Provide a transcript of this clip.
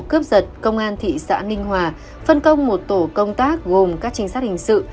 cướp giật công an thị xã ninh hòa phân công một tổ công tác gồm các trinh sát hình sự